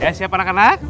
ya siap anak anak